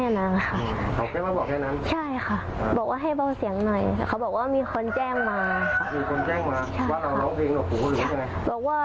เพราะว่าก็จะเก็บอยู่แล้วก็เลยเก็บเลยค่ะเพราะว่าพี่เขามาบอกค่ะ